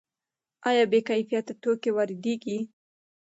آیا بې کیفیته توکي وارد کیږي؟